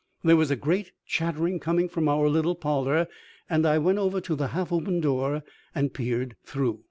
There was a great chattering coming from our little parlor and I went over to the half opened door and peered through.